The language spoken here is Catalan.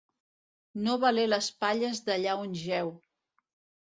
No valer les palles d'allà on jeu.